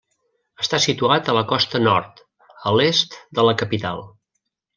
Està situat a la costa nord, a l'est de la capital.